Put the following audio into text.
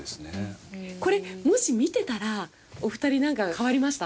これもし見てたらお二人なんか変わりました？